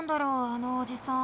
あのおじさん。